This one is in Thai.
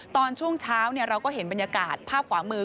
ตอนช่วงเช้าเราก็เห็นบรรยากาศภาพขวามือ